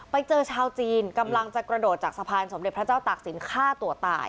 ไปเจอชาวจีนกำลังจะกระโดดจากสะพานสมเด็จพระเจ้าตากศิลปฆ่าตัวตาย